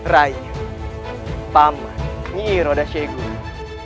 rai paman nyiro dan syekh guru